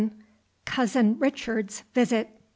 COUSIN RICHARD'S VISIT.